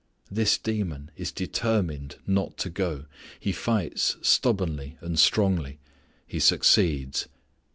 This demon is determined not to go. He fights stubbornly and strongly. He succeeds.